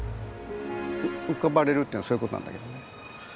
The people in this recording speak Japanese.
「浮かばれる」っていうのはそういうことなんだけどね。